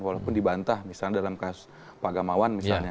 walaupun dibantah misalnya dalam kasus pagamawan misalnya